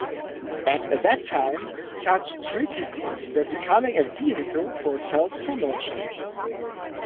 At that time, such treatises were becoming a vehicle for self-promotion.